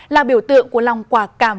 là biểu tượng của lòng quả cảm